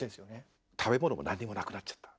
食べ物も何もなくなっちゃった。